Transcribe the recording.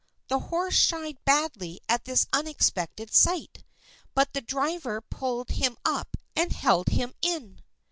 The horse shied badly at this unexpected sight, but the driver pulled him up and held him in.